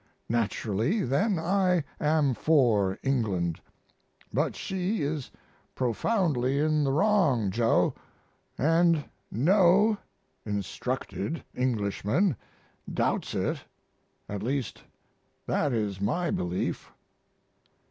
Naturally, then, I am for England; but she is profoundly in the wrong, Joe, & no (instructed) Englishman doubts it. At least that is my belief.